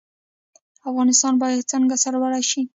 افغانستان باید څنګه سرلوړی شي؟